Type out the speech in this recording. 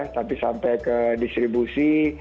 tapi sampai ke distribusi